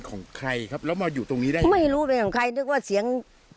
ของใครครับแล้วมาอยู่ตรงนี้ได้ไหมไม่รู้เป็นของใครนึกว่าเสียง